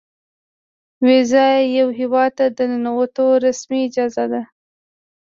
ویزه یو هیواد ته د ننوتو رسمي اجازه ده.